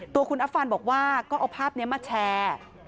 ตัวคุณอัฟฟันบอกว่าก็เอาภาพนี้มาแชร์